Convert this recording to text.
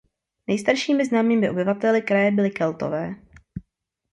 Nejstaršími známými obyvateli kraje byli Keltové.